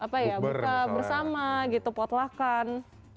apa ya buka bersama gitu potlakan